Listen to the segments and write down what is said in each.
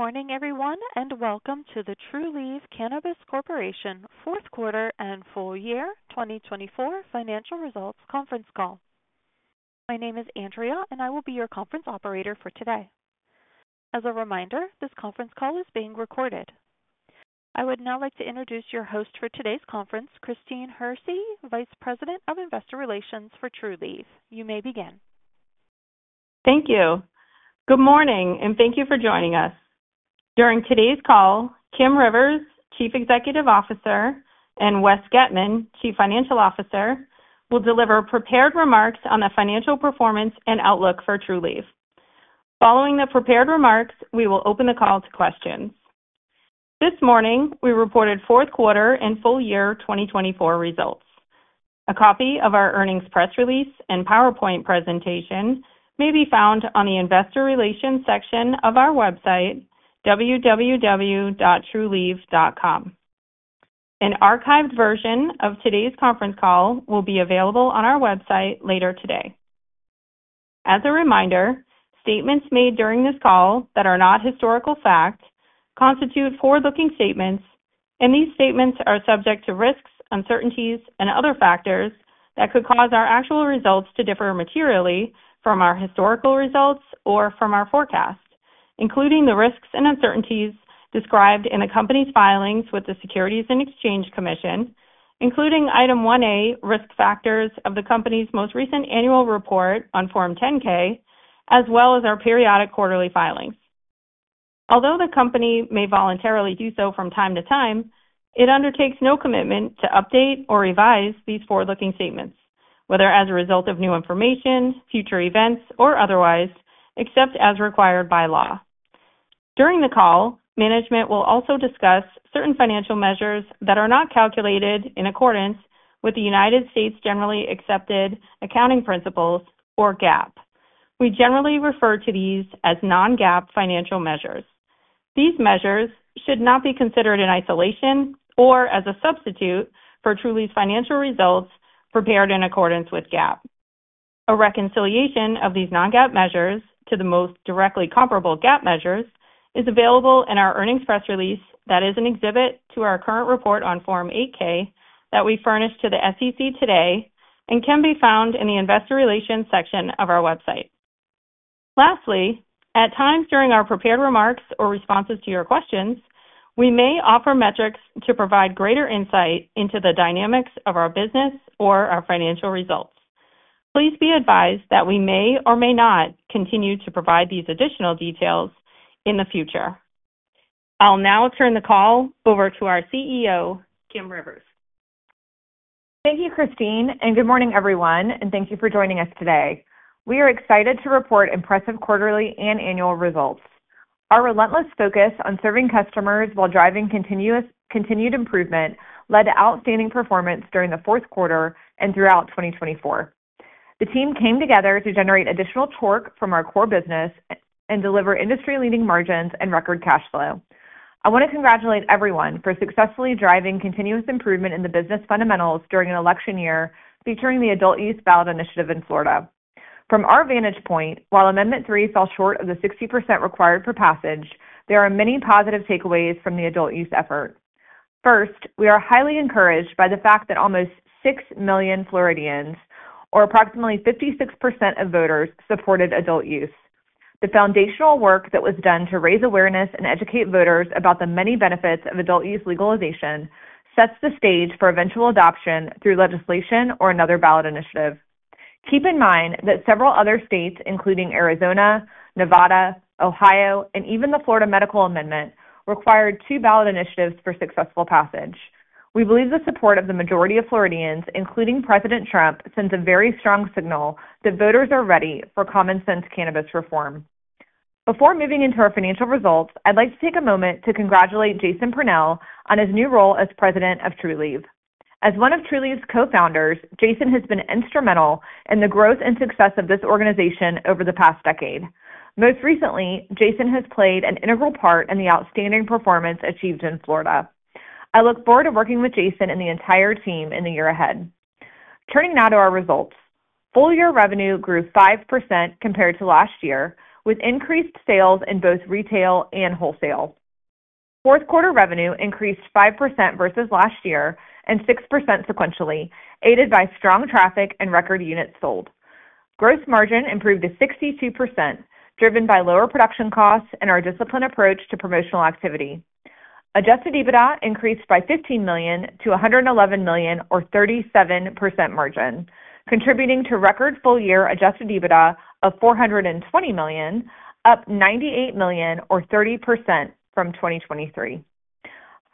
Good morning, everyone, and welcome to the Trulieve Cannabis Corporation fourth quarter and full year 2024 financial results conference call. My name is Andrea, and I will be your conference operator for today. As a reminder, this conference call is being recorded. I would now like to introduce your host for today's conference, Christine Hersey, Vice President of Investor Relations for Trulieve. You may begin. Thank you. Good morning, and thank you for joining us. During today's call, Kim Rivers, Chief Executive Officer, and Wes Getman, Chief Financial Officer, will deliver prepared remarks on the financial performance and outlook for Trulieve. Following the prepared remarks, we will open the call to questions. This morning, we reported Q4 and full year 2024 results. A copy of our earnings press release and PowerPoint presentation may be found on the Investor Relations section of our website, www.trulieve.com. An archived version of today's conference call will be available on our website later today. As a reminder, statements made during this call that are not historical fact constitute forward-looking statements, and these statements are subject to risks, uncertainties, and other factors that could cause our actual results to differ materially from our historical results or from our forecast, including the risks and uncertainties described in the company's filings with the Securities and Exchange Commission, including Item 1A, risk factors of the company's most recent annual report on Form 10-K, as well as our periodic quarterly filings. Although the company may voluntarily do so from time to time, it undertakes no commitment to update or revise these forward-looking statements, whether as a result of new information, future events, or otherwise, except as required by law. During the call, management will also discuss certain financial measures that are not calculated in accordance with the United States Generally Accepted Accounting Principles, or GAAP. We generally refer to these as non-GAAP financial measures. These measures should not be considered in isolation or as a substitute for Trulieve's financial results prepared in accordance with GAAP. A reconciliation of these non-GAAP measures to the most directly comparable GAAP measures is available in our earnings press release that is an exhibit to our current report on Form 8-K that we furnish to the SEC today and can be found in the Investor Relations section of our website. Lastly, at times during our prepared remarks or responses to your questions, we may offer metrics to provide greater insight into the dynamics of our business or our financial results. Please be advised that we may or may not continue to provide these additional details in the future. I'll now turn the call over to our CEO, Kim Rivers. Thank you, Christine, and good morning, everyone, and thank you for joining us today. We are excited to report impressive quarterly and annual results. Our relentless focus on serving customers while driving continuous improvement led to outstanding performance during the Q4 and throughout 2024. The team came together to generate additional torque from our core business and deliver industry-leading margins and record cash flow. I want to congratulate everyone for successfully driving continuous improvement in the business fundamentals during an election year featuring the Adult Use Ballot Initiative in Florida. From our vantage point, while Amendment 3 fell short of the 60% required for passage, there are many positive takeaways from the adult use effort. First, we are highly encouraged by the fact that almost six million Floridians, or approximately 56% of voters, supported adult use. The foundational work that was done to raise awareness and educate voters about the many benefits of adult use legalization sets the stage for eventual adoption through legislation or another ballot initiative. Keep in mind that several other states, including Arizona, Nevada, Ohio, and even the Florida Medical Amendment, required two ballot initiatives for successful passage. We believe the support of the majority of Floridians, including President Trump, sends a very strong signal that voters are ready for common-sense cannabis reform. Before moving into our financial results, I'd like to take a moment to congratulate Jason Pernell on his new role as President of Trulieve. As one of Trulieve's co-founders, Jason has been instrumental in the growth and success of this organization over the past decade. Most recently, Jason has played an integral part in the outstanding performance achieved in Florida. I look forward to working with Jason and the entire team in the year ahead. Turning now to our results, full year revenue grew 5% compared to last year, with increased sales in both retail and wholesale. Q4 revenue increased 5% versus last year and 6% sequentially, aided by strong traffic and record units sold. Gross margin improved to 62%, driven by lower production costs and our disciplined approach to promotional activity. Adjusted EBITDA increased by $15 million to $111 million, or 37% margin, contributing to record full year adjusted EBITDA of $420 million, up $98 million, or 30% from 2023.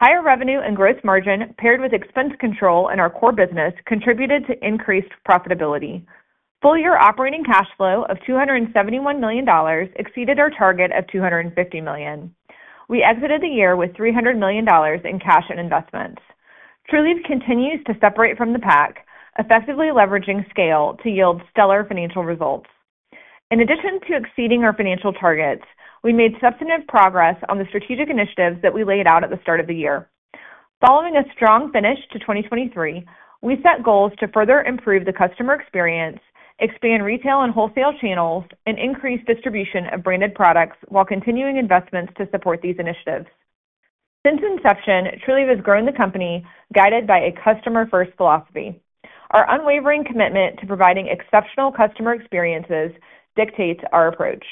Higher revenue and gross margin, paired with expense control in our core business, contributed to increased profitability. Full year operating cash flow of $271 million exceeded our target of $250 million. We exited the year with $300 million in cash and investments. Trulieve continues to separate from the pack, effectively leveraging scale to yield stellar financial results. In addition to exceeding our financial targets, we made substantive progress on the strategic initiatives that we laid out at the start of the year. Following a strong finish to 2023, we set goals to further improve the customer experience, expand retail and wholesale channels, and increase distribution of branded products while continuing investments to support these initiatives. Since inception, Trulieve has grown the company guided by a customer-first philosophy. Our unwavering commitment to providing exceptional customer experiences dictates our approach.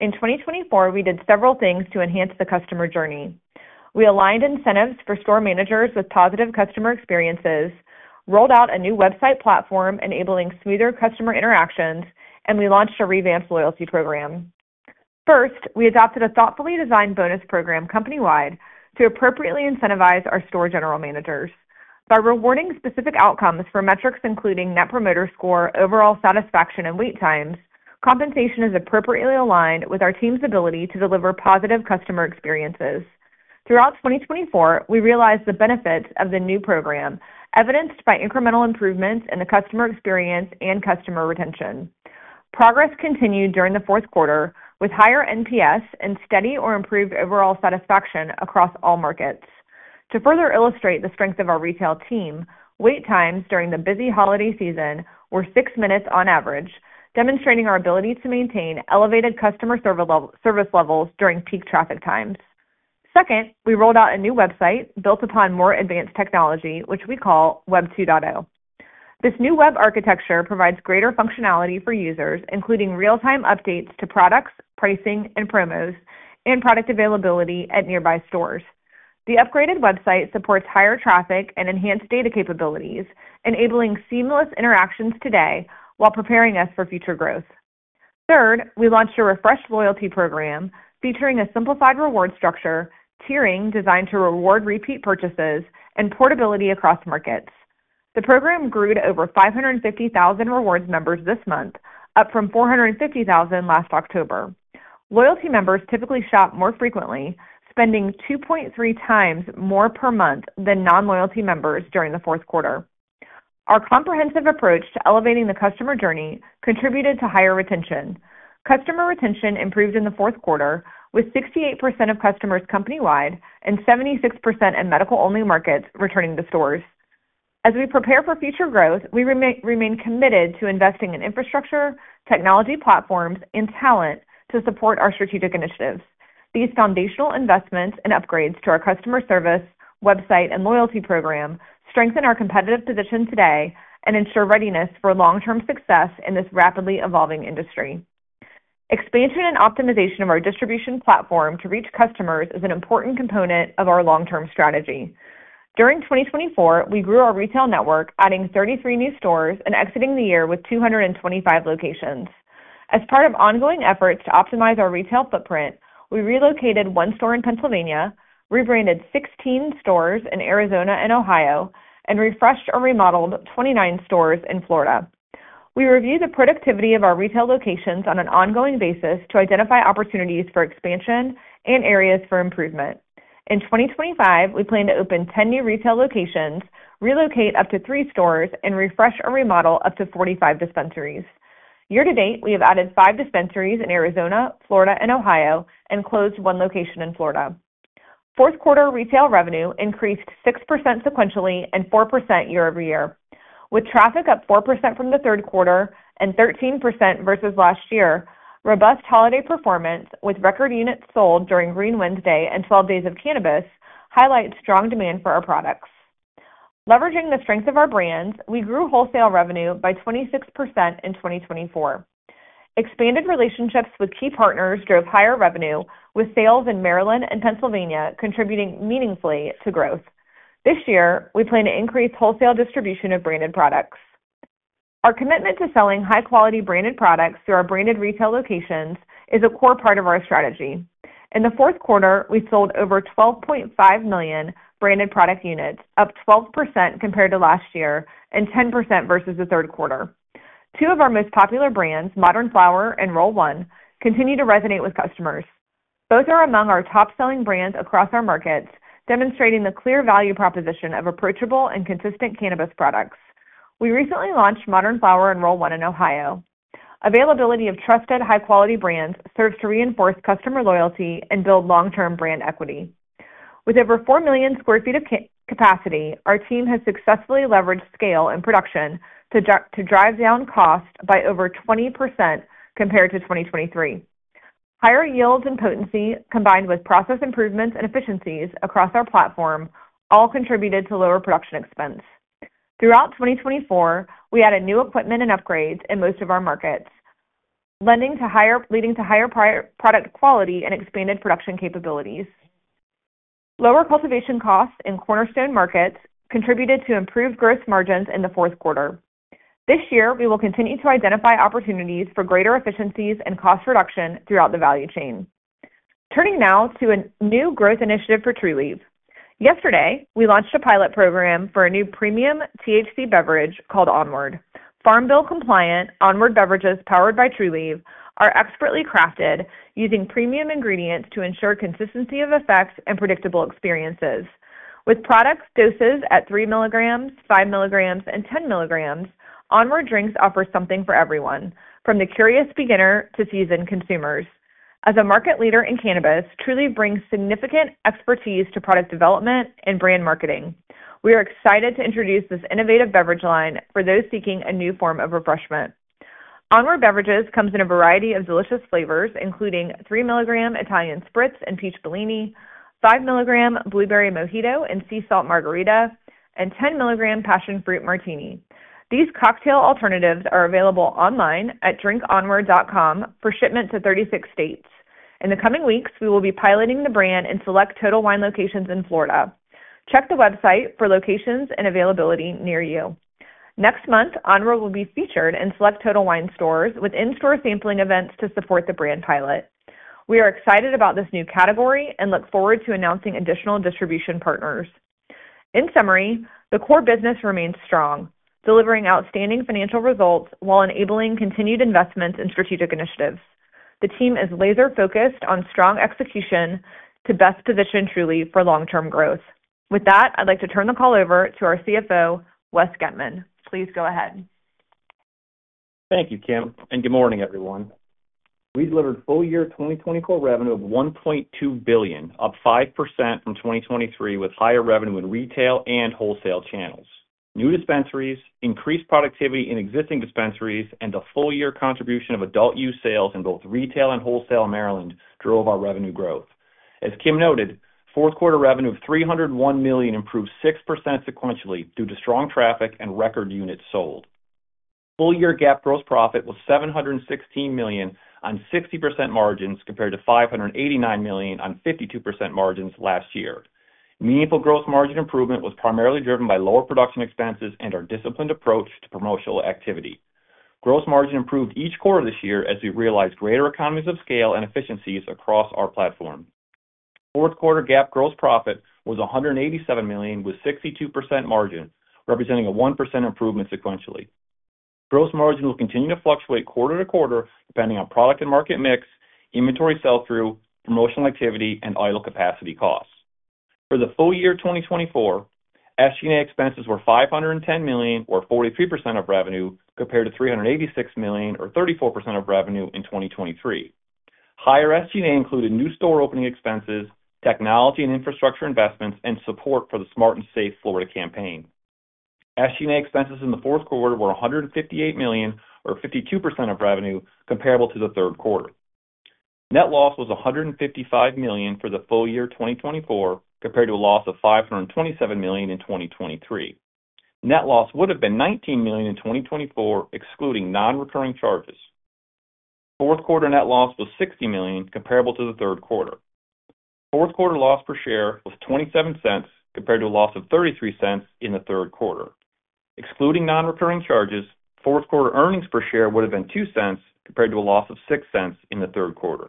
In 2024, we did several things to enhance the customer journey. We aligned incentives for store managers with positive customer experiences, rolled out a new website platform enabling smoother customer interactions, and we launched a revamped loyalty program. First, we adopted a thoughtfully designed bonus program company-wide to appropriately incentivize our store general managers. By rewarding specific outcomes for metrics including Net Promoter Score, overall satisfaction, and wait times, compensation is appropriately aligned with our team's ability to deliver positive customer experiences. Throughout 2024, we realized the benefits of the new program, evidenced by incremental improvements in the customer experience and customer retention. Progress continued during the Q4 with higher NPS and steady or improved overall satisfaction across all markets. To further illustrate the strength of our retail team, wait times during the busy holiday season were six minutes on average, demonstrating our ability to maintain elevated customer service levels during peak traffic times. Second, we rolled out a new website built upon more advanced technology, which we call Web 2.0. This new web architecture provides greater functionality for users, including real-time updates to products, pricing, and promos, and product availability at nearby stores. The upgraded website supports higher traffic and enhanced data capabilities, enabling seamless interactions today while preparing us for future growth. Third, we launched a refreshed loyalty program featuring a simplified reward structure, tiering designed to reward repeat purchases and portability across markets. The program grew to over 550,000 rewards members this month, up from 450,000 last October. Loyalty members typically shop more frequently, spending 2.3 times more per month than non-loyalty members during the Q4. Our comprehensive approach to elevating the customer journey contributed to higher retention. Customer retention improved in the Q4, with 68% of customers company-wide and 76% in medical-only markets returning to stores. As we prepare for future growth, we remain committed to investing in infrastructure, technology platforms, and talent to support our strategic initiatives. These foundational investments and upgrades to our customer service, website, and loyalty program strengthen our competitive position today and ensure readiness for long-term success in this rapidly evolving industry. Expansion and optimization of our distribution platform to reach customers is an important component of our long-term strategy. During 2024, we grew our retail network, adding 33 new stores and exiting the year with 225 locations. As part of ongoing efforts to optimize our retail footprint, we relocated one store in Pennsylvania, rebranded 16 stores in Arizona and Ohio, and refreshed or remodeled 29 stores in Florida. We review the productivity of our retail locations on an ongoing basis to identify opportunities for expansion and areas for improvement. In 2025, we plan to open 10 new retail locations, relocate up to three stores, and refresh or remodel up to 45 dispensaries. Year to date, we have added five dispensaries in Arizona, Florida, and Ohio, and closed one location in Florida. Q4 retail revenue increased 6% sequentially and 4% year over year. With traffic up 4% from the Q3 and 13% versus last year, robust holiday performance with record units sold during Green Wednesday and 12 Days of Cannabis highlights strong demand for our products. Leveraging the strength of our brands, we grew wholesale revenue by 26% in 2024. Expanded relationships with key partners drove higher revenue, with sales in Maryland and Pennsylvania contributing meaningfully to growth. This year, we plan to increase wholesale distribution of branded products. Our commitment to selling high-quality branded products through our branded retail locations is a core part of our strategy. In the Q4, we sold over 12.5 million branded product units, up 12% compared to last year and 10% versus the Q3. Two of our most popular brands, Modern Flower and Roll One, continue to resonate with customers. Both are among our top-selling brands across our markets, demonstrating the clear value proposition of approachable and consistent cannabis products. We recently launched Modern Flower and Roll One in Ohio. Availability of trusted high-quality brands serves to reinforce customer loyalty and build long-term brand equity. With over 4 million sq ft of capacity, our team has successfully leveraged scale and production to drive down cost by over 20% compared to 2023. Higher yields and potency, combined with process improvements and efficiencies across our platform, all contributed to lower production expense. Throughout 2024, we added new equipment and upgrades in most of our markets, leading to higher product quality and expanded production capabilities. Lower cultivation costs in cornerstone markets contributed to improved gross margins in the Q4. This year, we will continue to identify opportunities for greater efficiencies and cost reduction throughout the value chain. Turning now to a new growth initiative for Trulieve. Yesterday, we launched a pilot program for a new premium THC beverage called Onward. Farm Bill compliant Onward beverages powered by Trulieve are expertly crafted using premium ingredients to ensure consistency of effects and predictable experiences. With product doses at 3 milligrams, 5 milligrams, and 10 milligrams, Onward drinks offer something for everyone, from the curious beginner to seasoned consumers. As a market leader in cannabis, Trulieve brings significant expertise to product development and brand marketing. We are excited to introduce this innovative beverage line for those seeking a new form of refreshment. Onward Beverages comes in a variety of delicious flavors, including 3-milligram Italian Spritz and Peach Bellini, 5-milligram Blueberry Mojito and Sea Salt Margarita, and 10-milligram Passion Fruit Martini. These cocktail alternatives are available online at drinkonward.com for shipment to 36 states. In the coming weeks, we will be piloting the brand in select Total Wine locations in Florida. Check the website for locations and availability near you. Next month, Onward will be featured in select Total Wine stores with in-store sampling events to support the brand pilot. We are excited about this new category and look forward to announcing additional distribution partners. In summary, the core business remains strong, delivering outstanding financial results while enabling continued investments in strategic initiatives. The team is laser-focused on strong execution to best position Trulieve for long-term growth. With that, I'd like to turn the call over to our CFO, Wes Getman. Please go ahead. Thank you, Kim. And good morning, everyone. We delivered full year 2024 revenue of $1.2 billion, up 5% from 2023, with higher revenue in retail and wholesale channels. New dispensaries, increased productivity in existing dispensaries, and a full year contribution of adult use sales in both retail and wholesale Maryland drove our revenue growth. As Kim noted, Q4 revenue of $301 million improved 6% sequentially due to strong traffic and record units sold. Full year GAAP gross profit was $716 million on 60% margins compared to $589 million on 52% margins last year. Meaningful gross margin improvement was primarily driven by lower production expenses and our disciplined approach to promotional activity. Gross margin improved each quarter this year as we realized greater economies of scale and efficiencies across our platform. Q4 GAAP gross profit was $187 million with 62% margin, representing a 1% improvement sequentially. Gross margin will continue to fluctuate quarter to quarter depending on product and market mix, inventory sell-through, promotional activity, and idle capacity costs. For the full year 2024, SG&A expenses were $510 million, or 43% of revenue, compared to $386 million, or 34% of revenue in 2023. Higher SG&A included new store opening expenses, technology and infrastructure investments, and support for the Smart and Safe Florida campaign. SG&A expenses in the Q4 were $158 million, or 52% of revenue, comparable to the Q3. Net loss was $155 million for the full year 2024, compared to a loss of $527 million in 2023. Net loss would have been $19 million in 2024, excluding non-recurring charges. Q4 net loss was $60 million, comparable to the Q3. Q4 loss per share was $0.27, compared to a loss of $0.33 in the Q3. Excluding non-recurring charges, Q4 earnings per share would have been $0.02, compared to a loss of $0.06 in the Q3. Full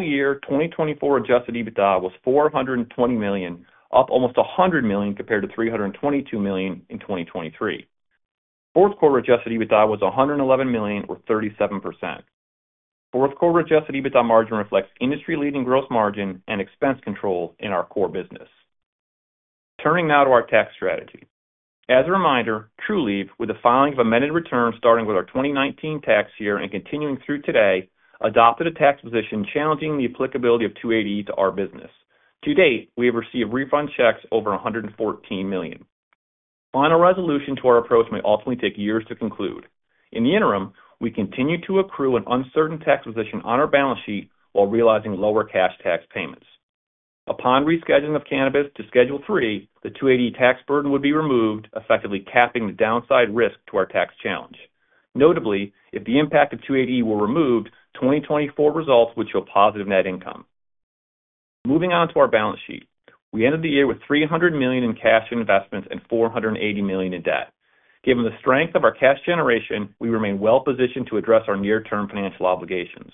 year 2024 Adjusted EBITDA was $420 million, up almost $100 million compared to $322 million in 2023. Q4 Adjusted EBITDA was $111 million, or 37%. Q4 Adjusted EBITDA margin reflects industry-leading gross margin and expense control in our core business. Turning now to our tax strategy. As a reminder, Trulieve, with the filing of amended returns starting with our 2019 tax year and continuing through today, adopted a tax position challenging the applicability of 280E to our business. To date, we have received refund checks over $114 million. Final resolution to our approach may ultimately take years to conclude. In the interim, we continue to accrue an uncertain tax position on our balance sheet while realizing lower cash tax payments. Upon rescheduling of cannabis to Schedule III, the 280E tax burden would be removed, effectively capping the downside risk to our tax challenge. Notably, if the impact of 280E were removed, 2024 results would show positive net income. Moving on to our balance sheet, we ended the year with $300 million in cash investments and $480 million in debt. Given the strength of our cash generation, we remain well-positioned to address our near-term financial obligations.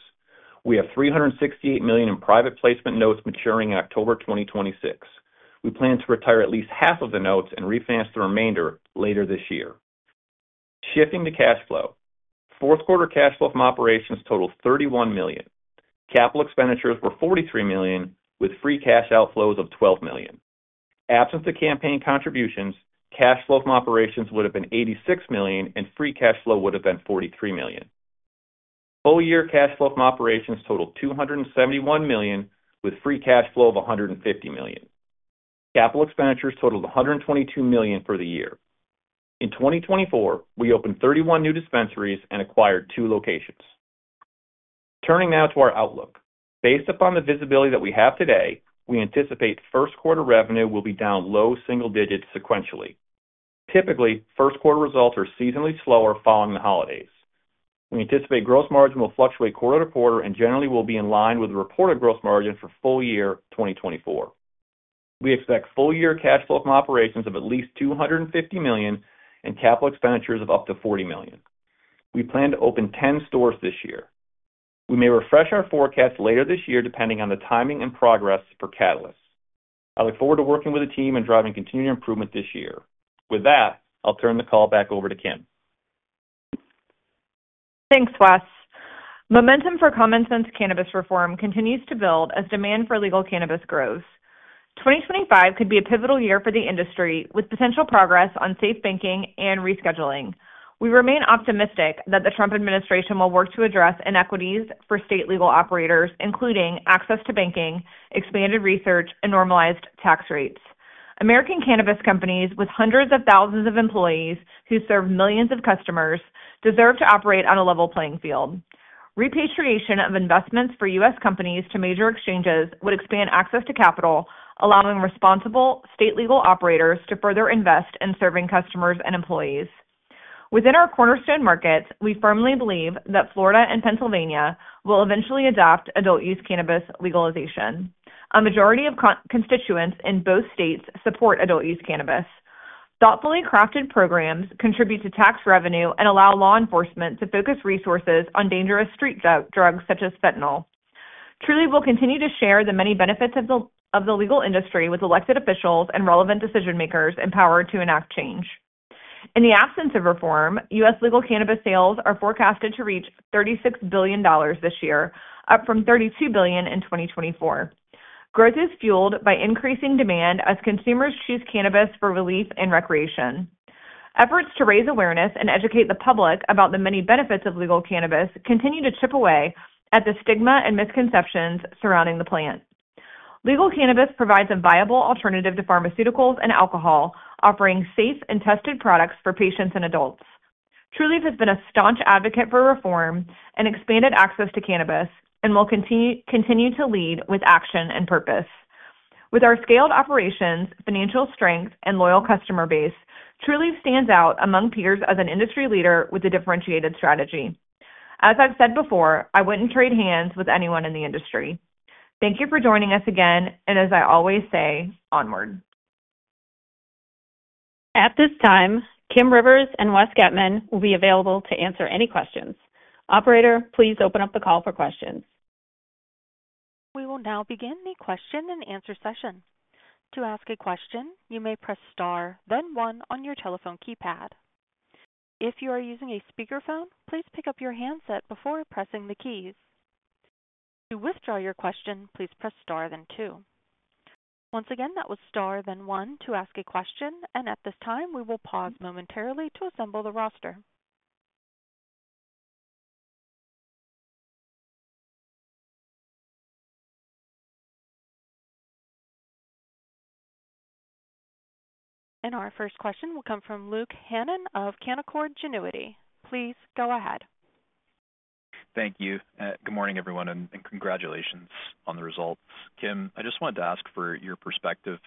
We have $368 million in private placement notes maturing in October 2026. We plan to retire at least half of the notes and refinance the remainder later this year. Shifting to cash flow, Q4 cash flow from operations totaled $31 million. Capital expenditures were $43 million, with free cash outflows of $12 million. Absent the campaign contributions, cash flow from operations would have been $86 million, and free cash flow would have been $43 million. Full year cash flow from operations totaled $271 million, with free cash flow of $150 million. Capital expenditures totaled $122 million for the year. In 2024, we opened 31 new dispensaries and acquired two locations. Turning now to our outlook. Based upon the visibility that we have today, we anticipate Q1 revenue will be down low single digits sequentially. Typically, Q1 results are seasonally slower following the holidays. We anticipate gross margin will fluctuate quarter to quarter and generally will be in line with the reported gross margin for full year 2024. We expect full year cash flow from operations of at least $250 million and capital expenditures of up to $40 million. We plan to open 10 stores this year. We may refresh our forecast later this year depending on the timing and progress for catalysts. I look forward to working with the team and driving continued improvement this year. With that, I'll turn the call back over to Kim. Thanks, Wes. Momentum for common-sense cannabis reform continues to build as demand for legal cannabis grows. 2025 could be a pivotal year for the industry with potential progress on safe banking and rescheduling. We remain optimistic that the Trump administration will work to address inequities for state legal operators, including access to banking, expanded research, and normalized tax rates. American cannabis companies with hundreds of thousands of employees who serve millions of customers deserve to operate on a level playing field. Repatriation of investments for U.S. companies to major exchanges would expand access to capital, allowing responsible state legal operators to further invest in serving customers and employees. Within our cornerstone markets, we firmly believe that Florida and Pennsylvania will eventually adopt adult use cannabis legalization. A majority of constituents in both states support adult use cannabis. Thoughtfully crafted programs contribute to tax revenue and allow law enforcement to focus resources on dangerous street drugs such as fentanyl. Trulieve will continue to share the many benefits of the legal industry with elected officials and relevant decision-makers empowered to enact change. In the absence of reform, U.S. legal cannabis sales are forecasted to reach $36 billion this year, up from $32 billion in 2024. Growth is fueled by increasing demand as consumers choose cannabis for relief and recreation. Efforts to raise awareness and educate the public about the many benefits of legal cannabis continue to chip away at the stigma and misconceptions surrounding the plant. Legal cannabis provides a viable alternative to pharmaceuticals and alcohol, offering safe and tested products for patients and adults. Trulieve has been a staunch advocate for reform and expanded access to cannabis and will continue to lead with action and purpose. With our scaled operations, financial strength, and loyal customer base, Trulieve stands out among peers as an industry leader with a differentiated strategy. As I've said before, I wouldn't trade hands with anyone in the industry. Thank you for joining us again, and as I always say, onward. At this time, Kim Rivers and Wes Getman will be available to answer any questions. Operator, please open up the call for questions. We will now begin the Q&A. To ask a question, you may press star, then one on your telephone keypad. If you are using a speakerphone, please pick up your handset before pressing the keys. To withdraw your question, please press star, then two. Once again, that was star, then one to ask a question, and at this time, we will pause momentarily to assemble the roster. And our first question will come from Luke Hannan of Canaccord Genuity. Please go ahead. T hank you. Good morning, everyone, and congratulations on the results. Kim, I just wanted to ask for your perspective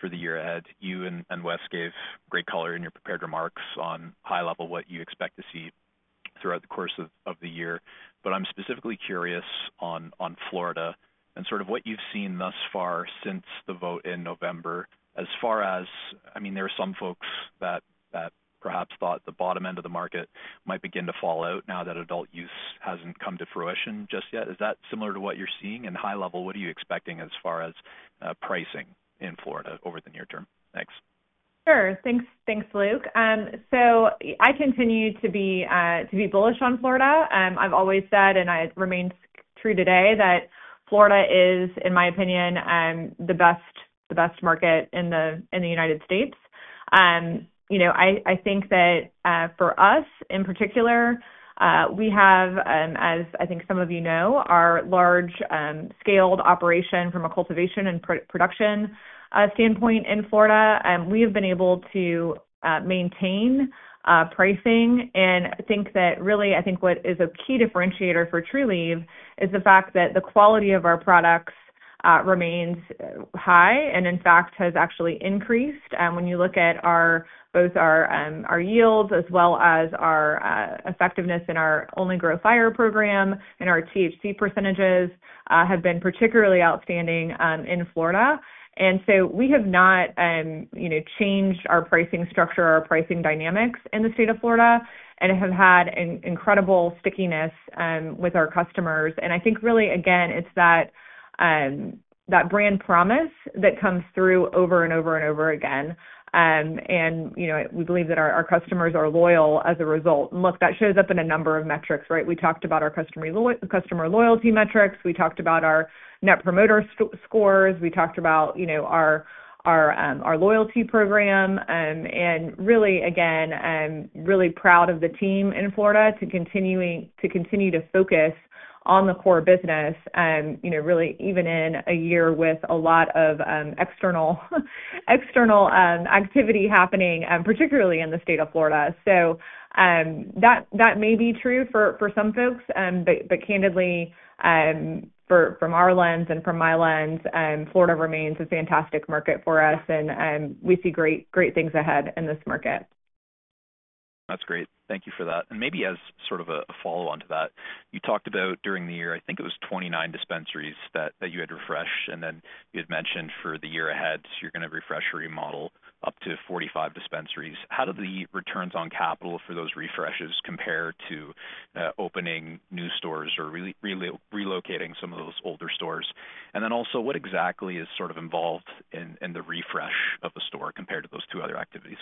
for the year ahead. You and Wes gave great color in your prepared remarks on high level what you expect to see throughout the course of the year. But I'm specifically curious on Florida and sort of what you've seen thus far since the vote in November. As far as, I mean, there are some folks that perhaps thought the bottom end of the market might begin to fall out now that adult use hasn't come to fruition just yet. Is that similar to what you're seeing? And high-level, what are you expecting as far as pricing in Florida over the near term? Thanks. Sure. Thanks, Luke. So I continue to be bullish on Florida. I've always said, and it remains true today, that Florida is, in my opinion, the best market in the United States. I think that for us in particular, we have, as I think some of you know, our large-scale operation from a cultivation and production standpoint in Florida. We have been able to maintain pricing. And I think what is a key differentiator for Trulieve is the fact that the quality of our products remains high and, in fact, has actually increased. And when you look at both our yields as well as our effectiveness in our Only Grow Fire program and our THC percentages have been particularly outstanding in Florida. And so we have not changed our pricing structure, our pricing dynamics in the state of Florida, and have had incredible stickiness with our customers. And I think really, again, it's that brand promise that comes through over and over and over again. And we believe that our customers are loyal as a result. And look, that shows up in a number of metrics, right? We talked about our customer loyalty metrics. We talked about our net promoter scores. We talked about our loyalty program. Really, again, I'm really proud of the team in Florida to continue to focus on the core business, really even in a year with a lot of external activity happening, particularly in the state of Florida. So that may be true for some folks, but candidly, from our lens and from my lens, Florida remains a fantastic market for us, and we see great things ahead in this market. That's great. Thank you for that. And maybe as sort of a follow-on to that, you talked about during the year, I think it was 29 dispensaries that you had refreshed, and then you had mentioned for the year ahead, you're going to refresh or remodel up to 45 dispensaries. How do the returns on capital for those refreshes compare to opening new stores or relocating some of those older stores? And then also, what exactly is sort of involved in the refresh of a store compared to those two other activities?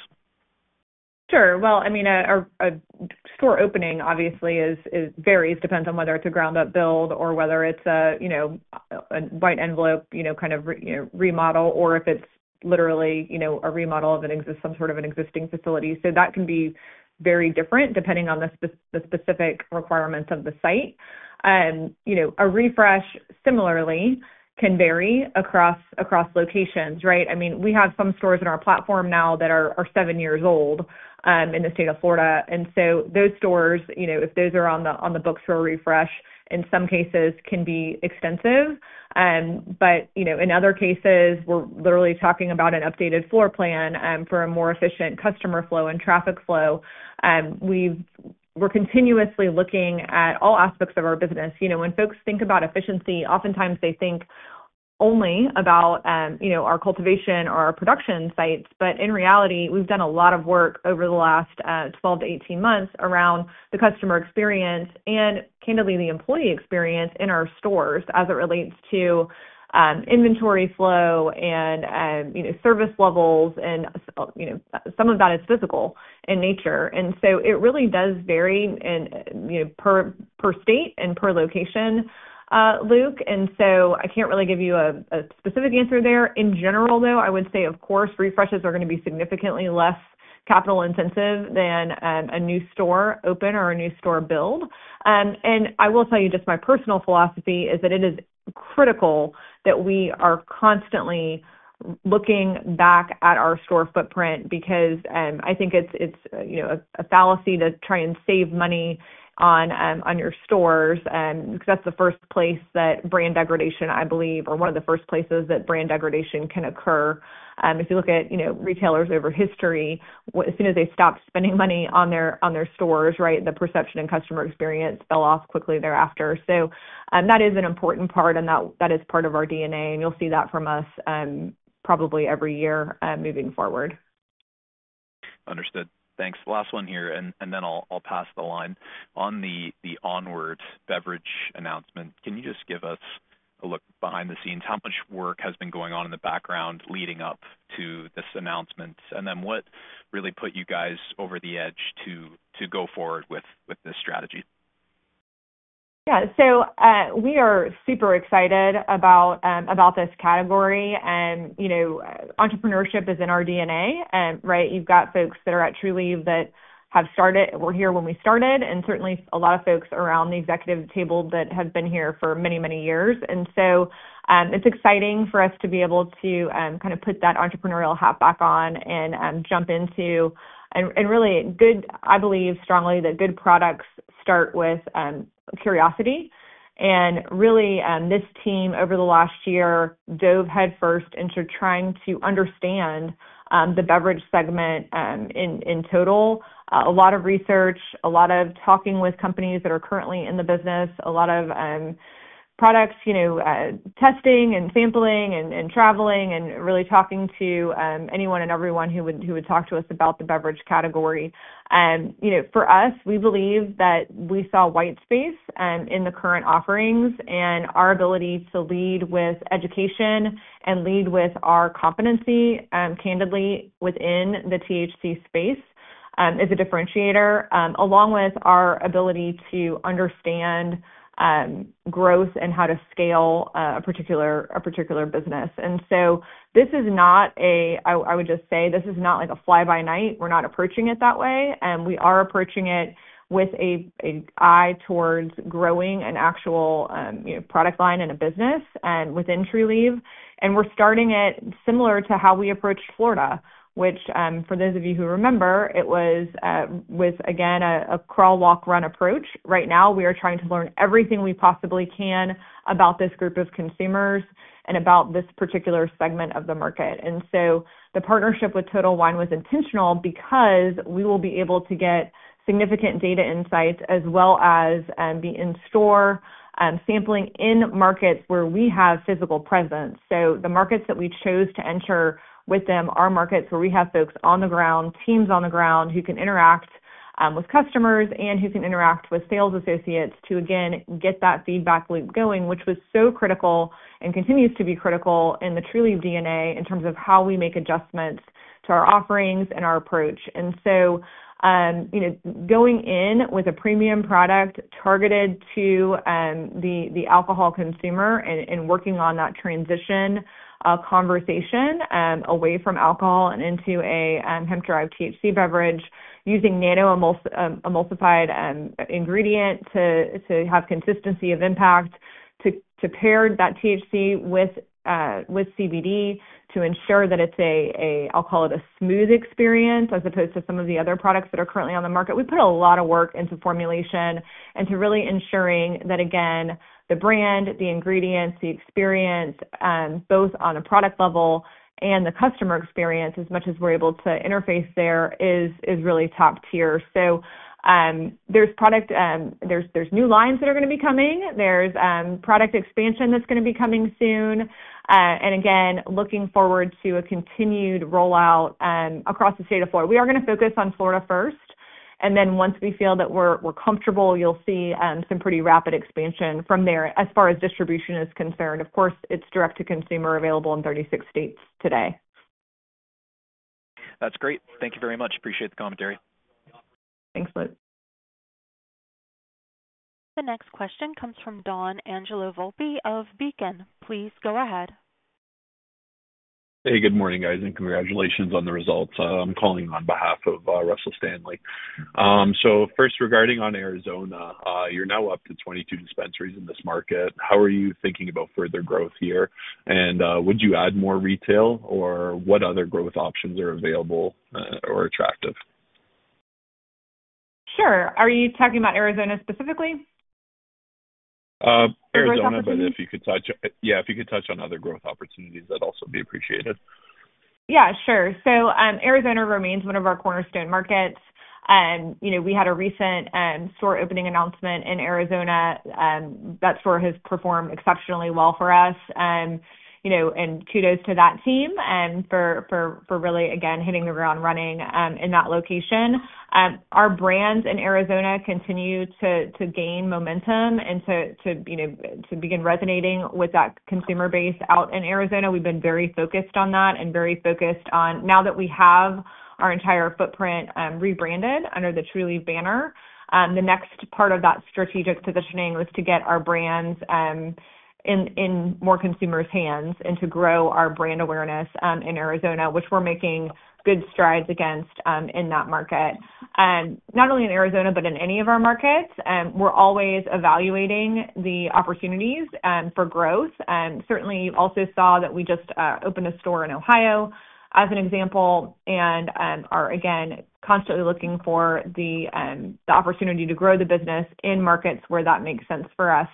Sure. Well, I mean, a store opening, obviously, varies. It depends on whether it is a ground-up build or whether it is a white envelope kind of remodel or if it is literally a remodel of some sort of an existing facility. So that can be very different depending on the specific requirements of the site. A refresh, similarly, can vary across locations, right? I mean, we have some stores in our platform now that are seven years old in the state of Florida. And so those stores, if those are on the books for a refresh, in some cases can be extensive. But in other cases, we are literally talking about an updated floor plan for a more efficient customer flow and traffic flow. We're continuously looking at all aspects of our business. When folks think about efficiency, oftentimes they think only about our cultivation or our production sites, but in reality, we've done a lot of work over the last 12 to 18 months around the customer experience and, candidly, the employee experience in our stores as it relates to inventory flow and service levels, and some of that is physical in nature, and so it really does vary per state and per location, Luke, and so I can't really give you a specific answer there. In general, though, I would say, of course, refreshes are going to be significantly less capital-intensive than a new store open or a new store build. And I will tell you just my personal philosophy is that it is critical that we are constantly looking back at our store footprint because I think it's a fallacy to try and save money on your stores because that's the first place that brand degradation, I believe, or one of the first places that brand degradation can occur. If you look at retailers over history, as soon as they stopped spending money on their stores, right, the perception and customer experience fell off quickly thereafter. So that is an important part, and that is part of our DNA. And you'll see that from us probably every year moving forward. Understood.Thanks. Last one here, and then I'll pass the line. On the Onward beverage announcement, can you just give us a look behind the scenes? How much work has been going on in the background leading up to this announcement? And then what really put you guys over the edge to go forward with this strategy? Yeah. So we are super excited about this category. And entrepreneurship is in our DNA, right? You've got folks that are at Trulieve that have started or were here when we started, and certainly a lot of folks around the executive table that have been here for many, many years. And so it's exciting for us to be able to kind of put that entrepreneurial hat back on and jump into. And really, I believe strongly that good products start with curiosity. And really, this team over the last year dove headfirst into trying to understand the beverage segment in total. A lot of research, a lot of talking with companies that are currently in the business, a lot of product testing and sampling and traveling and really talking to anyone and everyone who would talk to us about the beverage category. For us, we believe that we saw white space in the current offerings and our ability to lead with education and lead with our competency, candidly, within the THC space is a differentiator, along with our ability to understand growth and how to scale a particular business, and so this is not a. I would just say, this is not like a fly-by-night. We're not approaching it that way, and we are approaching it with an eye towards growing an actual product line and a business within Trulieve. And we're starting it similar to how we approached Florida, which, for those of you who remember, it was, again, a crawl, walk, run approach. Right now, we are trying to learn everything we possibly can about this group of consumers and about this particular segment of the market. And so the partnership with Total Wine was intentional because we will be able to get significant data insights as well as be in-store sampling in markets where we have physical presence. So the markets that we chose to enter with them are markets where we have folks on the ground, teams on the ground who can interact with customers and who can interact with sales associates to, again, get that feedback loop going, which was so critical and continues to be critical in the Trulieve DNA in terms of how we make adjustments to our offerings and our approach. And so going in with a premium product targeted to the alcohol consumer and working on that transition conversation away from alcohol and into a hemp-derived THC beverage using nano-emulsified ingredient to have consistency of impact, to pair that THC with CBD to ensure that it's a, I'll call it a smooth experience as opposed to some of the other products that are currently on the market. We put a lot of work into formulation and to really ensuring that, again, the brand, the ingredients, the experience, both on a product level and the customer experience, as much as we're able to interface there, is really top tier. So there's new lines that are going to be coming. There's product expansion that's going to be coming soon. And again, looking forward to a continued rollout across the state of Florida. We are going to focus on Florida first. And then once we feel that we're comfortable, you'll see some pretty rapid expansion from there as far as distribution is concerned. Of course, it's direct-to-consumer available in 36 states today. That's great. Thank you very much. Appreciate the commentary. Thanks, Luke. The next question comes from Don Angelo Volpe of Beacon. Please go ahead. Hey, good morning, guys, and congratulations on the results. I'm calling on behalf of Russell Stanley. So first, regarding Arizona, you're now up to 22 dispensaries in this market. How are you thinking about further growth here? And would you add more retail, or what other growth options are available or attractive? Sure. Are you talking about Arizona specifically? Arizona, but if you could touch on other growth opportunities, that'd also be appreciated. Yeah, sure. So Arizona remains one of our cornerstone markets. We had a recent store opening announcement in Arizona. That store has performed exceptionally well for us, and kudos to that team for really, again, hitting the ground running in that location. Our brands in Arizona continue to gain momentum and to begin resonating with that consumer base out in Arizona. We've been very focused on that and very focused on now that we have our entire footprint rebranded under the Trulieve banner. The next part of that strategic positioning was to get our brands in more consumers' hands and to grow our brand awareness in Arizona, which we're making good strides against in that market. Not only in Arizona, but in any of our markets, we're always evaluating the opportunities for growth. Certainly, you also saw that we just opened a store in Ohio, as an example, and are, again, constantly looking for the opportunity to grow the business in markets where that makes sense for us.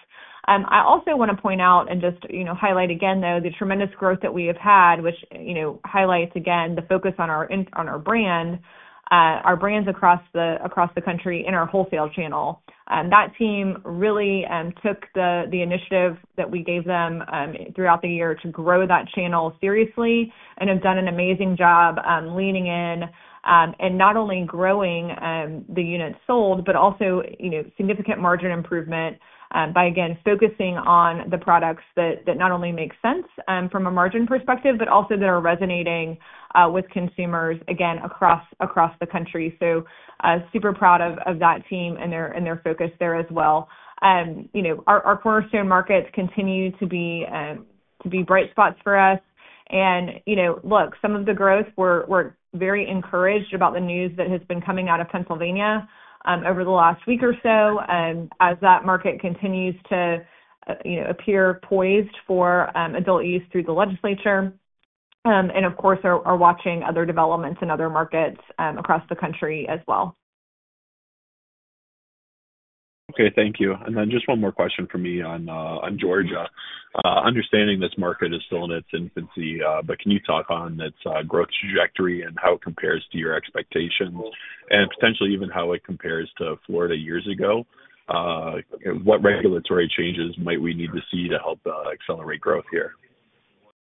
I also want to point out and just highlight again, though, the tremendous growth that we have had, which highlights, again, the focus on our brand, our brands across the country in our wholesale channel. That team really took the initiative that we gave them throughout the year to grow that channel seriously and have done an amazing job leaning in and not only growing the units sold, but also significant margin improvement by, again, focusing on the products that not only make sense from a margin perspective, but also that are resonating with consumers, again, across the country. Super proud of that team and their focus there as well. Our cornerstone markets continue to be bright spots for us, and look, some of the growth, we're very encouraged about the news that has been coming out of Pennsylvania over the last week or so as that market continues to appear poised for Adult Use through the legislature, and of course, we're watching other developments in other markets across the country as well. Okay. Thank you, and then just one more question for me on Georgia. Understanding this market is still in its infancy, but can you talk on its growth trajectory and how it compares to your expectations and potentially even how it compares to Florida years ago? What regulatory changes might we need to see to help accelerate growth here?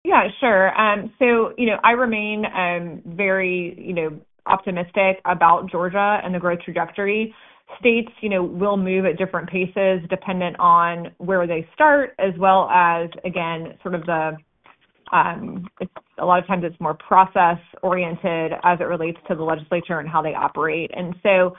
Yeah, sure, so I remain very optimistic about Georgia and the growth trajectory. States will move at different paces dependent on where they start, as well as, again, sort of, a lot of times it's more process-oriented as it relates to the legislature and how they operate. And so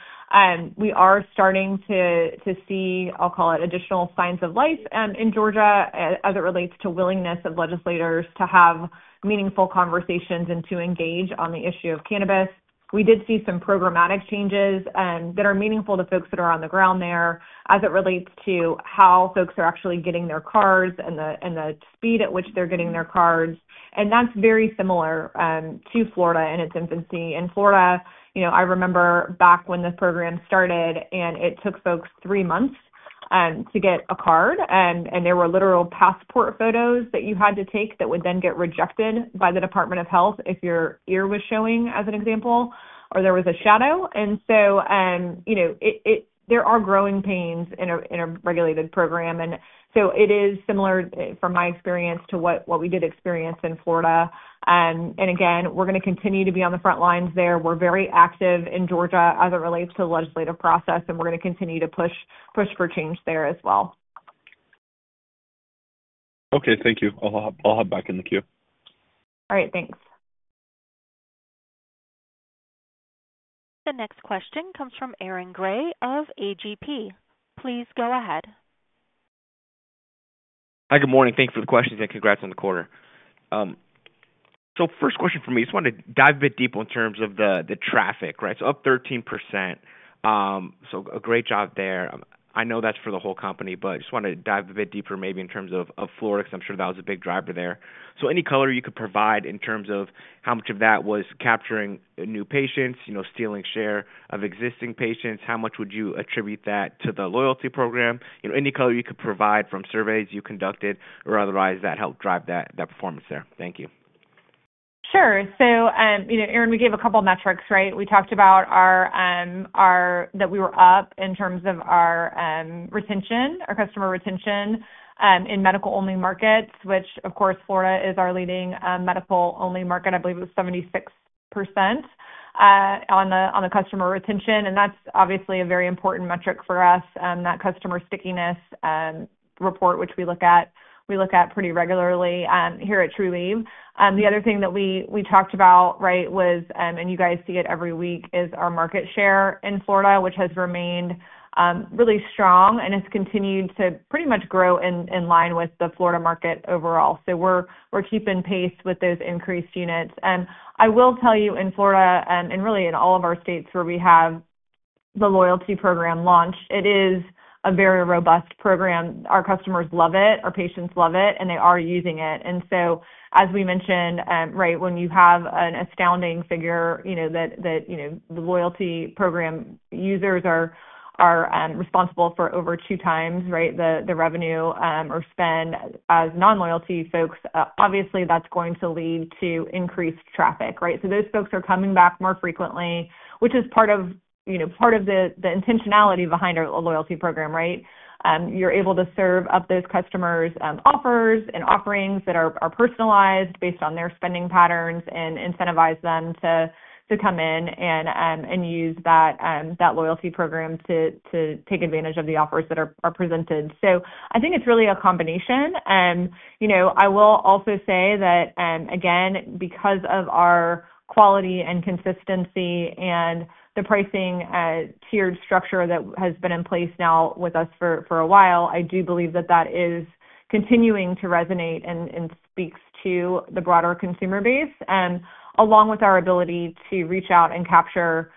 we are starting to see, I'll call it, additional signs of life in Georgia as it relates to willingness of legislators to have meaningful conversations and to engage on the issue of cannabis. We did see some programmatic changes that are meaningful to folks that are on the ground there as it relates to how folks are actually getting their cards and the speed at which they're getting their cards. And that's very similar to Florida in its infancy. In Florida, I remember back when this program started, and it took folks three months to get a card. And there were literal passport photos that you had to take that would then get rejected by the Department of Health if your ear was showing, as an example, or there was a shadow. And so there are growing pains in a regulated program. And so it is similar from my experience to what we did experience in Florida. And again, we're going to continue to be on the front lines there. We're very active in Georgia as it relates to the legislative process, and we're going to continue to push for change there as well. Okay. Thank you. I'll hop back in the queue. All right. Thanks. The next question comes from Aaron Gray of AGP. Please go ahead. Hi, good morning. Thank you for the questions, and congrats on the quarter. So first question for me, just wanted to dive a bit deeper in terms of the traffic, right? So up 13%. So a great job there. I know that's for the whole company, but just wanted to dive a bit deeper maybe in terms of Florida because I'm sure that was a big driver there. So any color you could provide in terms of how much of that was capturing new patients, stealing share of existing patients? How much would you attribute that to the loyalty program? Any color you could provide from surveys you conducted or otherwise that helped drive that performance there? Thank you. Sure. So Aaron, we gave a couple of metrics, right? We talked about that we were up in terms of our retention, our customer retention in medical-only markets, which, of course, Florida is our leading medical-only market. I believe it was 76% on the customer retention, and that's obviously a very important metric for us, that customer stickiness report, which we look at pretty regularly here at Trulieve. The other thing that we talked about, right, was, and you guys see it every week, is our market share in Florida, which has remained really strong and has continued to pretty much grow in line with the Florida market overall, so we're keeping pace with those increased units. And I will tell you in Florida and really in all of our states where we have the loyalty program launched, it is a very robust program. Our customers love it. Our patients love it, and they are using it. And so as we mentioned, right, when you have an astounding figure that the loyalty program users are responsible for over two times, right, the revenue or spend as non-loyalty folks, obviously, that's going to lead to increased traffic, right? So those folks are coming back more frequently, which is part of the intentionality behind a loyalty program, right? You're able to serve up those customers offers and offerings that are personalized based on their spending patterns and incentivize them to come in and use that loyalty program to take advantage of the offers that are presented. So I think it's really a combination. I will also say that, again, because of our quality and consistency and the pricing tiered structure that has been in place now with us for a while, I do believe that that is continuing to resonate and speaks to the broader consumer base, along with our ability to reach out and capture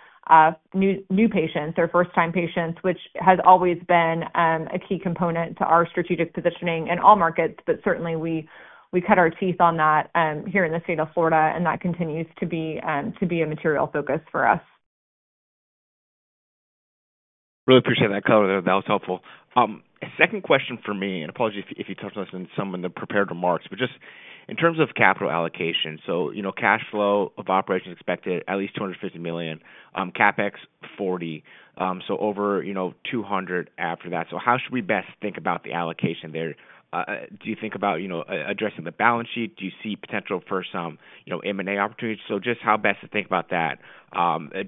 new patients or first-time patients, which has always been a key component to our strategic positioning in all markets. But certainly, we cut our teeth on that here in the state of Florida, and that continues to be a material focus for us. Really appreciate that color there. That was helpful. Second question for me, and apologies if you touched on this in some of the prepared remarks, but just in terms of capital allocation. So cash flow from operations expected at least $250 million, CapEx $40 million, so over $200 million after that. So how should we best think about the allocation there? Do you think about addressing the balance sheet? Do you see potential for some M&A opportunities? So just how best to think about that,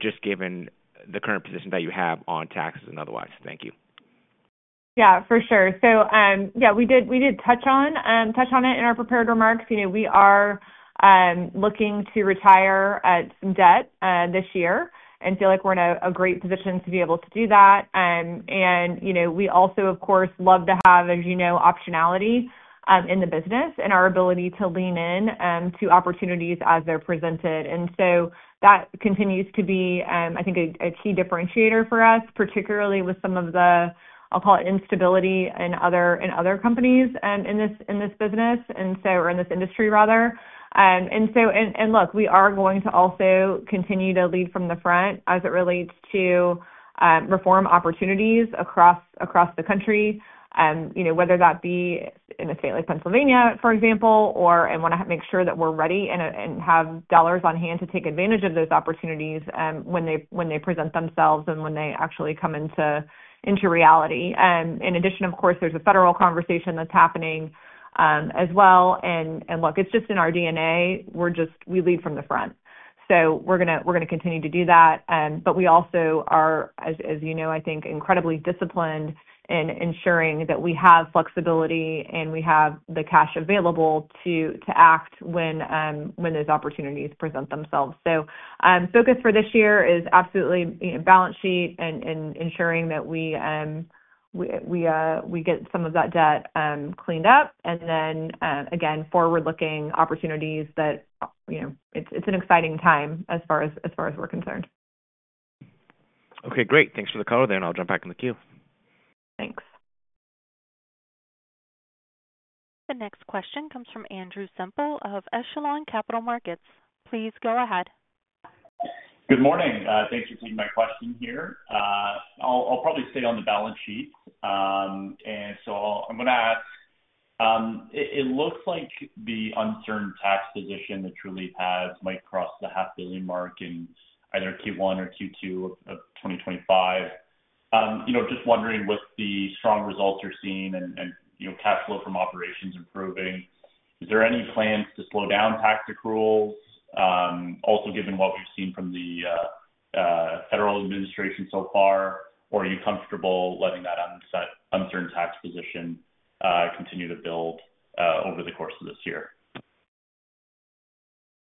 just given the current position that you have on taxes and otherwise? Thank you. Yeah, for sure. So yeah, we did touch on it in our prepared remarks. We are looking to retire the debt this year and feel like we're in a great position to be able to do that. And we also, of course, love to have, as you know, optionality in the business and our ability to lean into opportunities as they're presented. And so that continues to be, I think, a key differentiator for us, particularly with some of the, I'll call it, instability in other companies in this business or in this industry, rather. Look, we are going to also continue to lead from the front as it relates to reform opportunities across the country, whether that be in a state like Pennsylvania, for example, or I want to make sure that we're ready and have dollars on hand to take advantage of those opportunities when they present themselves and when they actually come into reality. In addition, of course, there's a federal conversation that's happening as well. Look, it's just in our DNA. We lead from the front. We're going to continue to do that, but we also are, as you know, I think, incredibly disciplined in ensuring that we have flexibility and we have the cash available to act when those opportunities present themselves. So focus for this year is absolutely balance sheet and ensuring that we get some of that debt cleaned up and then, again, forward-looking opportunities that it's an exciting time as far as we're concerned. Okay. Great. Thanks for the color there, and I'll jump back in the queue. Thanks. The next question comes from Andrew Semple of Echelon Capital Markets. Please go ahead. Good morning. Thanks for taking my question here. I'll probably stay on the balance sheet. And so I'm going to ask. It looks like the uncertain tax position that Trulieve has might cross the $500 million mark in either Q1 or Q2 of 2025. Just wondering, with the strong results you're seeing and cash flow from operations improving, is there any plans to slow down tax accruals, also given what we've seen from the federal administration so far, or are you comfortable letting that uncertain tax position continue to build over the course of this year?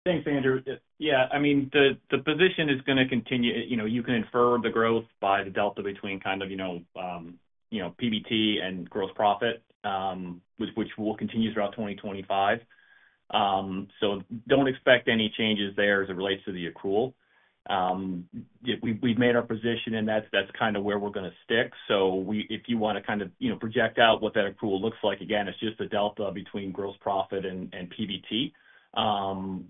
Thanks, Andrew. Yeah. I mean, the position is going to continue. You can infer the growth by the delta between kind of PBT and gross profit, which will continue throughout 2025. So don't expect any changes there as it relates to the accrual. We've made our position, and that's kind of where we're going to stick. So if you want to kind of project out what that accrual looks like, again, it's just the delta between gross profit and PBT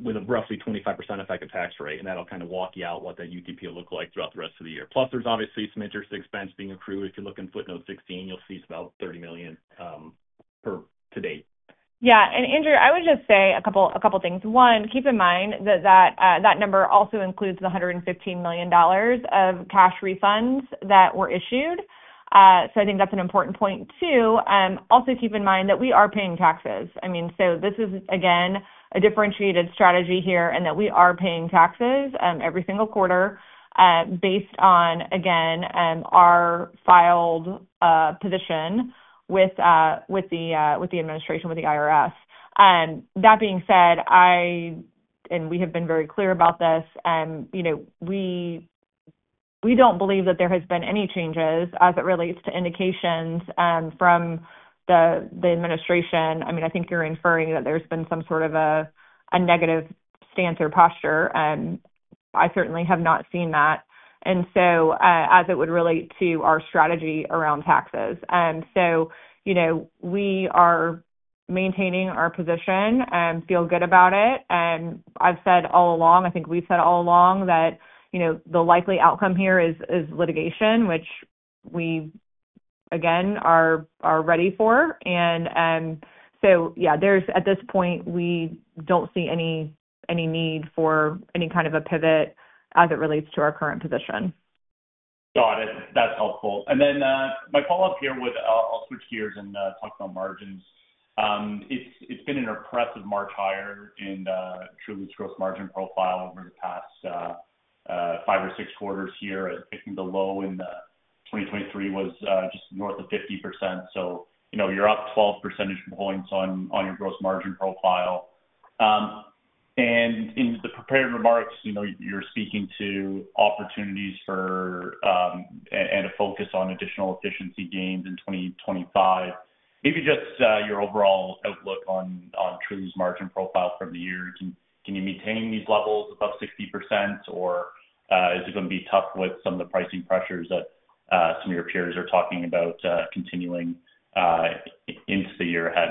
with a roughly 25% effective tax rate. That'll kind of walk you through what that UTP will look like throughout the rest of the year. Plus, there's obviously some interest expense being accrued. If you look in footnote 16, you'll see it's about $30 million year to date. Yeah. Andrew, I would just say a couple of things. One, keep in mind that that number also includes the $115 million of cash refunds that were issued. So I think that's an important point too. Also, keep in mind that we are paying taxes. I mean, so this is, again, a differentiated strategy here in that we are paying taxes every single quarter based on, again, our filed position with the administration, with the IRS. That being said, and we have been very clear about this, we don't believe that there has been any changes as it relates to indications from the administration. I mean, I think you're inferring that there's been some sort of a negative stance or posture. I certainly have not seen that. And so, as it would relate to our strategy around taxes. And so we are maintaining our position and feel good about it. And I've said all along, I think we've said all along that the likely outcome here is litigation, which we, again, are ready for. And so yeah, at this point, we don't see any need for any kind of a pivot as it relates to our current position. Got it. That's helpful. And then my follow-up here, with I'll switch gears and talk about margins. It's been an impressive march higher in Trulieve's gross margin profile over the past five or six quarters here. I think the low in 2023 was just north of 50%. So you're up 12 percentage points on your gross margin profile. And in the prepared remarks, you're speaking to opportunities and a focus on additional efficiency gains in 2025. Maybe just your overall outlook on Trulieve's margin profile from the year. Can you maintain these levels above 60%, or is it going to be tough with some of the pricing pressures that some of your peers are talking about continuing into the year ahead?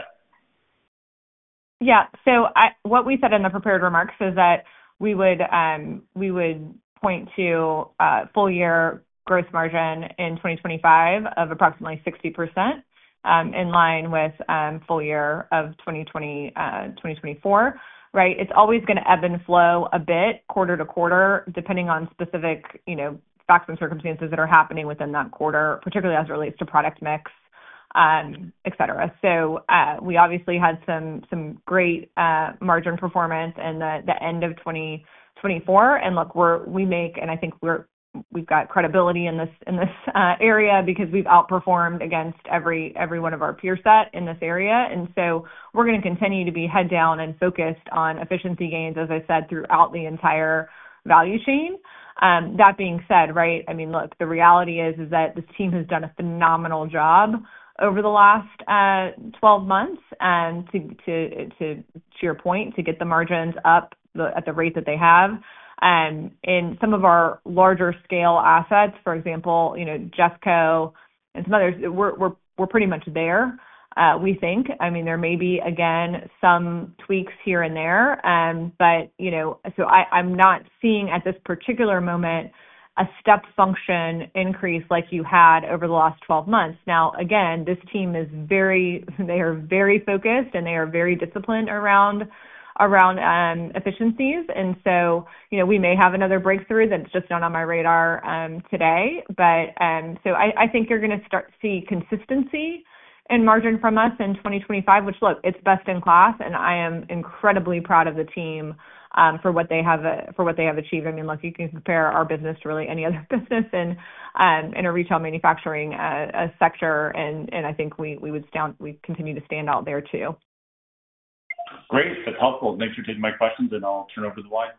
Yeah. So what we said in the prepared remarks is that we would point to full-year gross margin in 2025 of approximately 60% in line with full-year of 2024, right? It's always going to ebb and flow a bit quarter to quarter, depending on specific facts and circumstances that are happening within that quarter, particularly as it relates to product mix, etc. So we obviously had some great margin performance in the end of 2024. And look, we make, and I think we've got credibility in this area because we've outperformed against every one of our peer set in this area. And so we're going to continue to be head-down and focused on efficiency gains, as I said, throughout the entire value chain. That being said, right, I mean, look, the reality is that this team has done a phenomenal job over the last 12 months, to your point, to get the margins up at the rate that they have. And some of our larger-scale assets, for example, JeffCo and some others, we're pretty much there, we think. I mean, there may be, again, some tweaks here and there. But so I'm not seeing at this particular moment a step function increase like you had over the last 12 months. Now, again, this team is very focused, and they are very disciplined around efficiencies. And so we may have another breakthrough that's just not on my radar today. But so I think you're going to see consistency and margin from us in 2025, which, look, it's best in class, and I am incredibly proud of the team for what they have achieved. I mean, look, you can compare our business to really any other business in a retail manufacturing sector, and I think we would continue to stand out there too. Great. That's helpful. Thanks for taking my questions, and I'll turn it over to the line.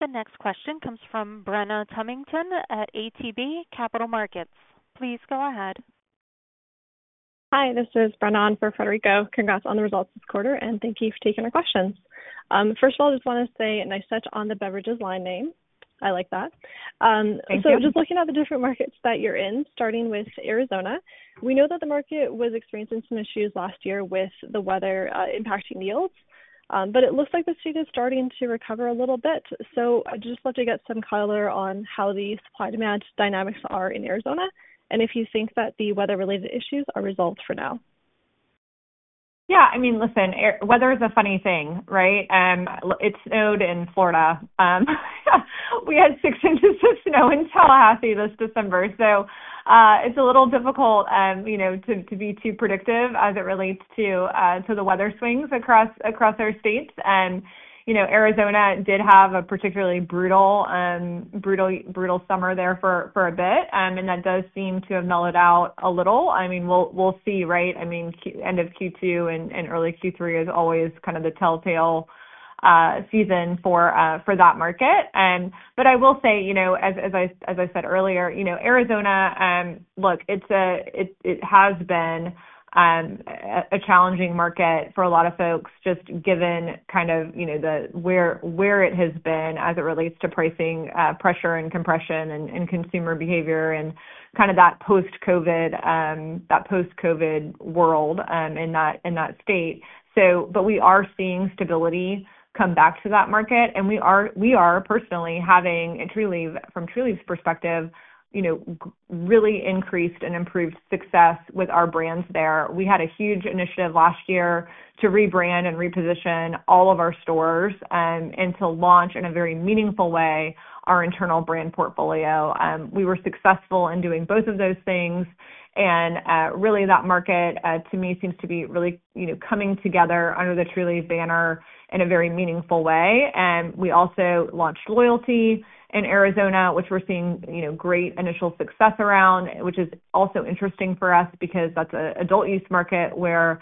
The next question comes from Brenna Cunnington at ATB Capital Markets. Please go ahead. Hi. This is Brenna for Frederico. Congrats on the results this quarter, and thank you for taking our questions. First of all, I just want to say a nice touch on the beverages line name. I like that. So just looking at the different markets that you're in, starting with Arizona, we know that the market was experiencing some issues last year with the weather impacting yields, but it looks like the state is starting to recover a little bit. So I just want to get some color on how the supply-demand dynamics are in Arizona and if you think that the weather-related issues are resolved for now. Yeah. I mean, listen, weather is a funny thing, right? It snowed in Florida. We had six inches of snow in Tallahassee this December. So it's a little difficult to be too predictive as it relates to the weather swings across our states. And Arizona did have a particularly brutal summer there for a bit, and that does seem to have mellowed out a little. I mean, we'll see, right? I mean, end of Q2 and early Q3 is always kind of the telltale season for that market. But I will say, as I said earlier, Arizona, look, it has been a challenging market for a lot of folks just given kind of where it has been as it relates to pricing pressure and compression and consumer behavior and kind of that post-COVID world in that state. But we are seeing stability come back to that market, and we are personally having, from Trulieve's perspective, really increased and improved success with our brands there. We had a huge initiative last year to rebrand and reposition all of our stores and to launch in a very meaningful way our internal brand portfolio. We were successful in doing both of those things. And really, that market, to me, seems to be really coming together under the Trulieve banner in a very meaningful way. And we also launched loyalty in Arizona, which we're seeing great initial success around, which is also interesting for us because that's an adult use market where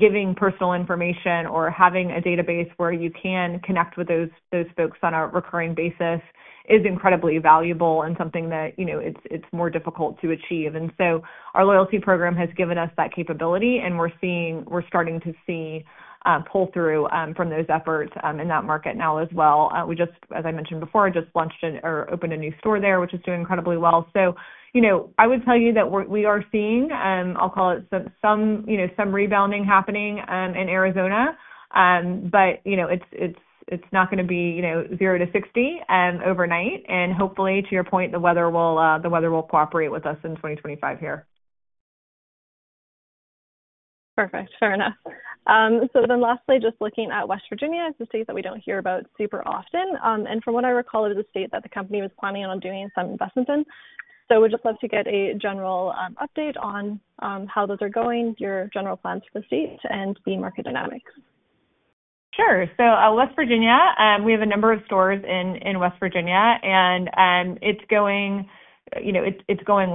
giving personal information or having a database where you can connect with those folks on a recurring basis is incredibly valuable and something that it's more difficult to achieve. And so our loyalty program has given us that capability, and we're starting to see pull-through from those efforts in that market now as well. As I mentioned before, I just launched or opened a new store there, which is doing incredibly well. So I would tell you that we are seeing, I'll call it, some rebounding happening in Arizona, but it's not going to be 0 to 60 overnight. Hopefully, to your point, the weather will cooperate with us in 2025 here. Perfect. Fair enough. Then lastly, just looking at West Virginia as a state that we don't hear about super often. From what I recall, it is a state that the company was planning on doing some investments in. We'd just love to get a general update on how those are going, your general plans for the state, and the market dynamics. Sure. West Virginia, we have a number of stores in West Virginia, and it's going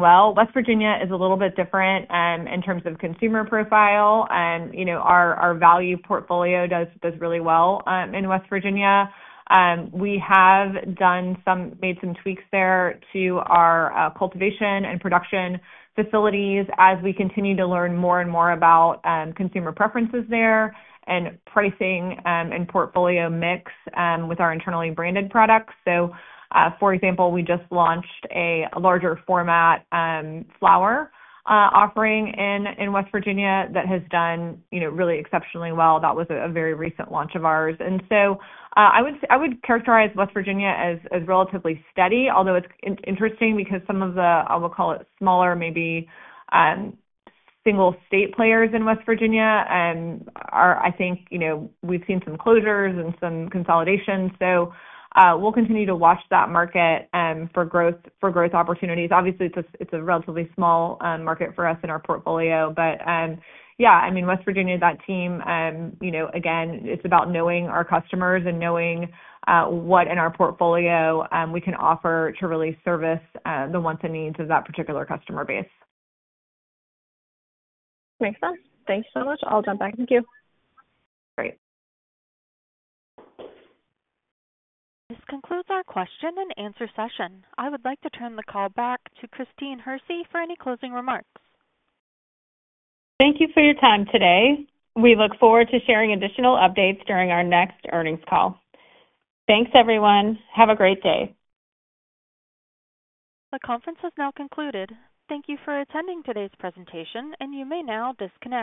well. West Virginia is a little bit different in terms of consumer profile. Our value portfolio does really well in West Virginia. We have made some tweaks there to our cultivation and production facilities as we continue to learn more and more about consumer preferences there and pricing and portfolio mix with our internally branded products. So for example, we just launched a larger format flower offering in West Virginia that has done really exceptionally well. That was a very recent launch of ours. And so I would characterize West Virginia as relatively steady, although it's interesting because some of the, I will call it smaller, maybe single-state players in West Virginia, I think we've seen some closures and some consolidation. So we'll continue to watch that market for growth opportunities. Obviously, it's a relatively small market for us in our portfolio. But yeah, I mean, West Virginia, that team, again, it's about knowing our customers and knowing what in our portfolio we can offer to really service the wants and needs of that particular customer base. Makes sense. Thank you so much. I'll jump back. Thank you. Great. This concludes our Q&A session. I would like to turn the call back to Christine Hersey for any closing remarks. Thank you for your time today. We look forward to sharing additional updates during our next earnings call. Thanks, everyone. Have a great day. The conference has now concluded. Thank you for attending today's presentation, and you may now disconnect.